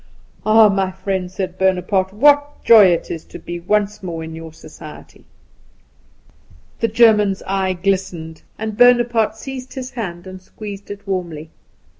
"Ah, my friend," said Bonaparte, "what joy it is to be once more in your society." The German's eyes glistened, and Bonaparte seized his hand and squeezed it warmly.